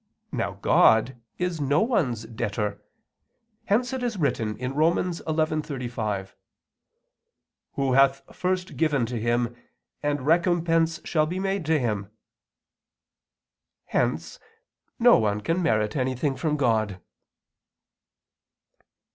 Now God is no one's debtor; hence it is written (Rom. 11:35): "Who hath first given to Him, and recompense shall be made to him?" Hence no one can merit anything from God.